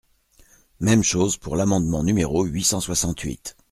Même chose pour l’amendement numéro huit cent soixante-huit.